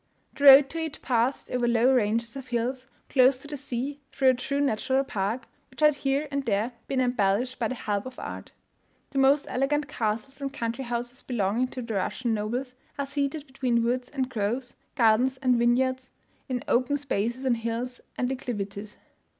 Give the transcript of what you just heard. The road to it passed over low ranges of hills close to the sea through a true natural park, which had here and there been embellished by the help of art. The most elegant castles and country houses belonging to the Russian nobles are seated between woods and groves, gardens and vineyards, in open spaces on hills and declivities.